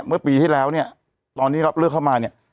เมื่อปีที่แล้วตอนที่เขาเลือกเข้ามา